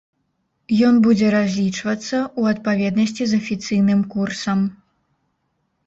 Ён будзе разлічвацца ў адпаведнасці з афіцыйным курсам.